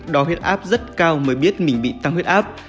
đo huyết áp rất cao mới biết mình bị tăng huyết áp